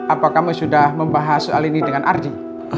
apa kamu sudah membahas soal ini dengan ardi